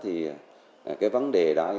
thì cái vấn đề đó